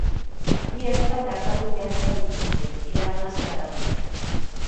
Bi ertzain artatu behar izan dituzte, kea arnasteagatik.